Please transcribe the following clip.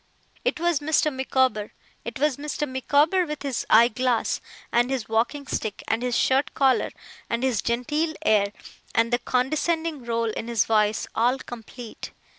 It was Mr. Micawber! It was Mr. Micawber, with his eye glass, and his walking stick, and his shirt collar, and his genteel air, and the condescending roll in his voice, all complete!